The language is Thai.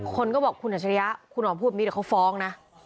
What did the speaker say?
คนก็บอกคุณอัจฉริยะคุณหอมพูดแบบนี้เดี๋ยวเขาฟ้องนะ